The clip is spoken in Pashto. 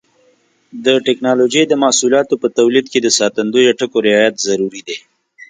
د ټېکنالوجۍ د محصولاتو په تولید کې د ساتندویه ټکو رعایت ضروري دی.